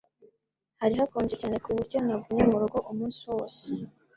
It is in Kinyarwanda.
Hari hakonje cyane ku buryo nagumye mu rugo umunsi wose.